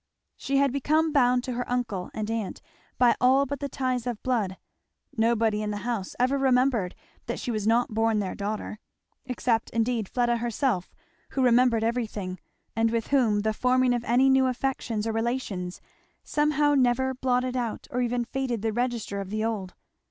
She had become bound to her uncle and aunt by all but the ties of blood; nobody in the house ever remembered that she was not born their daughter; except indeed Fleda herself, who remembered everything, and with whom the forming of any new affections or relations somehow never blotted out or even faded the register of the old.